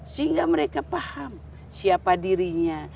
sehingga mereka paham siapa dirinya